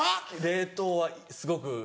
冷凍はすごく。